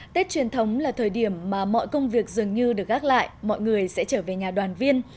tết truyền thống là thời điểm mà mọi công việc dường như được gác lại mọi người sẽ trở về nhà đoàn viên